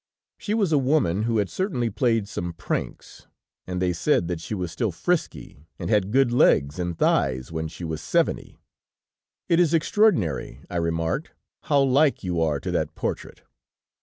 She was a woman who had certainly played some pranks, and they said that she was still frisky and had good legs and thighs when she was seventy. "'It is extraordinary,' I remarked, 'how like you are to that portrait.'